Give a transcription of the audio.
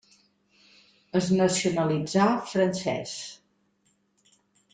Es nacionalitzà francès.